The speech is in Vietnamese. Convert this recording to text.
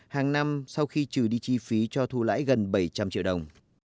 hàng năm sau khi trừ đi chi phí cho thu lãi gần bảy trăm linh triệu đồng